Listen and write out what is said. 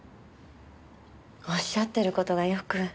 おっしゃってる事がよく。